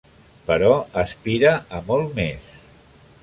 Però aspira a molt més.